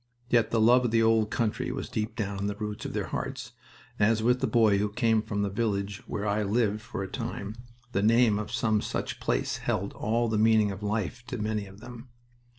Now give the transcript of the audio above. Yet the love of the old country was deep down in the roots of their hearts, and, as with a boy who came from the village where I lived for a time, the name of some such place held all the meaning of life to many of them.